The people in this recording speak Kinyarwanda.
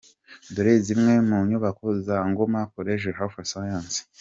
Dore zimwe munyubako za Ngoma College of Health Sciences.